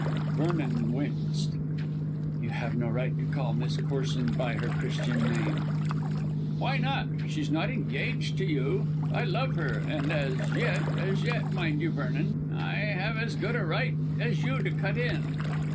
Vernon winced. "You have no right to call Miss Corsoon by her Christian name." "Why not? She's not engaged to you. I love her, and, as yet as yet, mind you, Vernon I have as good a right as you to cut in."